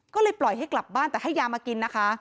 ก็เลยปล่อยให้กลับบ้านแต่ให้ยามากินนะคะ